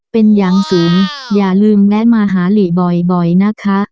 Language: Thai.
เป็นอย่างสูงอย่าลืมแวะมาหาหลีบ่อยนะคะ